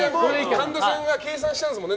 神田さんが計算したんですよね